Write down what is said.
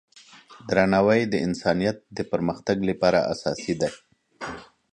درناوی د انسانیت د پرمختګ لپاره اساسي دی.